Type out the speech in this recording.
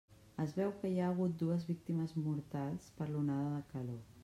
Es veu que hi ha hagut dues víctimes mortals per l'onada de calor.